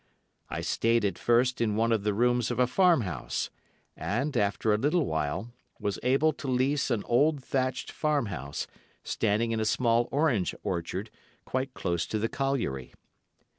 I stayed at first in one of the rooms of a farm house, and, after a little while, was able to lease an old thatched farm house, standing in a small orange orchard, quite close to the colliery.